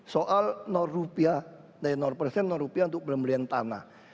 soal nor rupiah dari nor persen nor rupiah untuk pemberian tanah